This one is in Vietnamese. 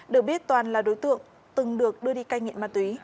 được biết toàn là đối tượng từng được đưa đi cai nghiện ma túy